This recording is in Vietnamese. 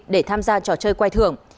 để tham gia trò chơi quay thưởng